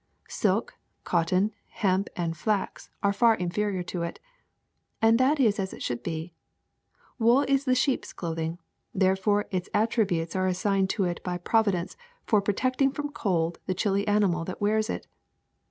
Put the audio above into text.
Silk, cotton, hemp, and flax are far inferior to it. And that is as it should be. Wool is the sheep's clothing; therefore its attributes are assigned to it by Providence for protecting from cold the chilly animal that wears it.